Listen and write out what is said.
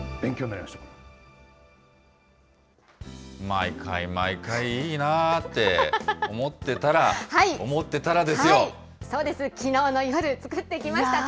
毎回毎回、いいなぁって思ってたら、そうです、きのうの夜、作ってきました。